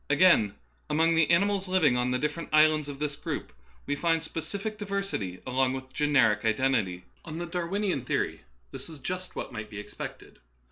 Again, among the ani mals living on the different islands of this group, we find specific diversity along with generic iden tity. On the Darwinian theory this is just what might be expected.